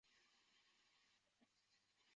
球迷称呼其为孖润肠尼马。